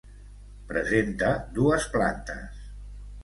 Presenta dues plantes.